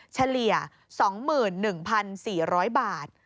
เฉลี่ย๒๑๔๐๐บาท